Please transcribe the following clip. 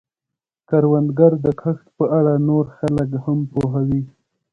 کروندګر د کښت په اړه نور خلک هم پوهوي